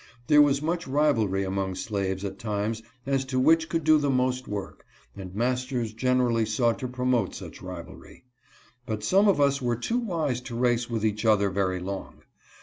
There was much rivalry among slaves at times as to which could do the most work, and masters generally sought to promote such rivalry. But some of us were too wise to race with each other very long.